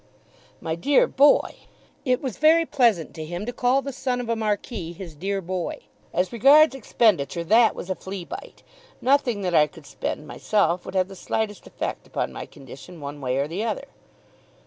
"My dear boy," it was very pleasant to him to call the son of a marquis his dear boy, "as regards expenditure that was a flea bite. Nothing that I could spend myself would have the slightest effect upon my condition, one way or the other."